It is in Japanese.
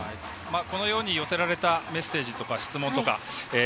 このように寄せられたメッセージや質問